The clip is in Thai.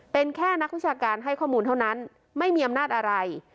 เป็นแค่นักวิชาการให้ข้อมูลเท่านั้นไม่มีอำนาจอะไร